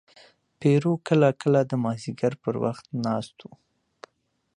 پیرو کله کله د مازدیګر پر وخت ناست و.